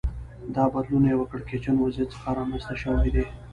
دا بدلون له یوه کړکېچن وضعیت څخه رامنځته شوی دی